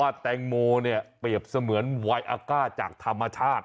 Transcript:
แตงโมเนี่ยเปรียบเสมือนไวอาก้าจากธรรมชาติ